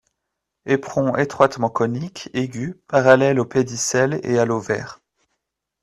Éperon étroitement conique, aigu, parallèle au pédicelle et à l'ovaire.